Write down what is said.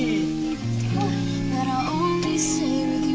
ร้อนหลับเลยเบี้ย